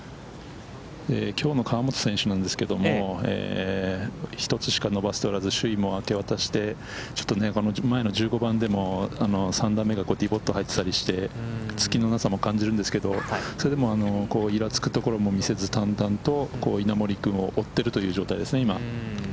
きょうの河本選手なんですけれども、１つしか伸ばしておらず、首位も明け渡して、ちょっと前の１５番でも３打目がディボットに入ったりしてて、つきのなさも感じるんですけど、それでも、いらつくところも見せず、淡々と稲森君を追っているという感じですね、今。